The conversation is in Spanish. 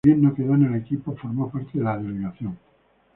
Si bien no quedó en el equipo, formó parte de la delegación.